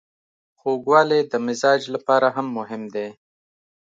خوږوالی د مزاج لپاره هم مهم دی.